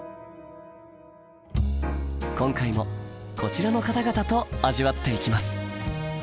今回もこちらの方々と味わっていきます。